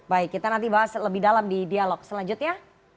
baik kita nanti bahas lebih dalam di dialog selanjutnya